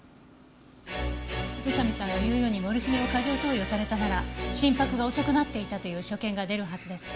宇佐見さんが言うようにモルヒネを過剰投与されたなら心拍が遅くなっていたという所見が出るはずです。